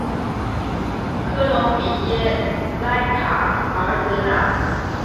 科隆比耶莱卡尔迪纳。